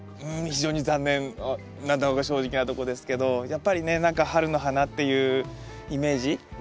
うん非常に残念なのが正直なとこですけどやっぱりね何か春の花っていうイメージ